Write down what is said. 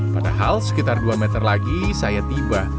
padahal sekitar dua meter lagi saya tiba